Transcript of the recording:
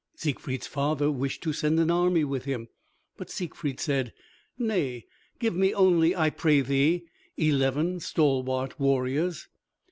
Siegfried's father wished to send an army with him but Siegfried said, "Nay, give me only, I pray thee, eleven stalwart warriors."